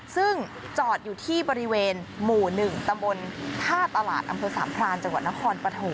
ซึ่งจอดอยู่ที่บริเวณหมู่๑ตำบลท่าตลาดอำเภอสามพรานจังหวัดนครปฐม